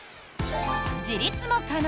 自立も可能！